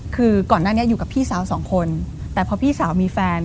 คือก่อนหน้านี้อยู่กับพี่สาวสองคนแต่พอพี่สาวมีแฟน